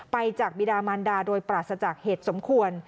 จากบิดามันดาโดยปราศจากเหตุสมควร